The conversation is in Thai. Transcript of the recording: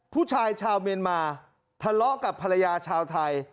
ผู้ชายชาวเมียนมาทะเลาะกับภรรยาชาวไทย